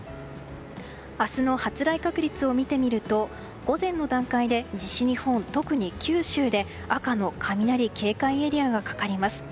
明日の発雷確率を見てみると午前の段階で西日本、特に九州で赤の雷警戒エリアがかかります。